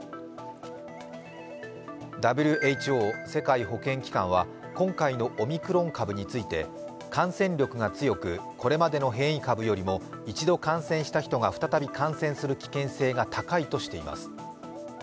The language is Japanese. ＷＨＯ＝世界保健機関は今回のオミクロン株について感染力が強くこれまでの変異株よりも一度感染した人が再び感染する危険性が高いとしています。